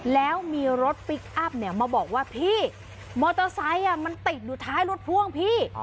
แล้วมีรถพลิกอัพมาบอกว่าพี่มอเตอร์ไซค์มันติดอยู่ท้ายรถพ่วงพี่